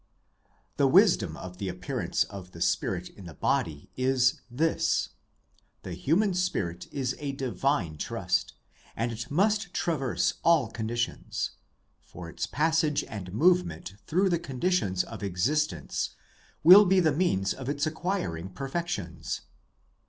The wisdom of the appearance of the spirit in the body is this : the human spirit is a Divine Trust, and it must traverse all conditions; for its passage and movement through the conditions of existence will be the means of its acquiring perfections.